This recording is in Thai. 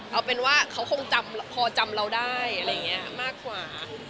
เอาเป็นว่าเขาคงพอจำเราได้มากกว่า